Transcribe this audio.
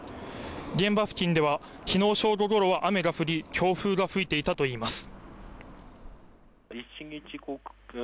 現場付近では昨日正午ごろは雨が降り強風が吹いていたといいます。